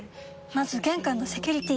まず玄関のセキュリティ！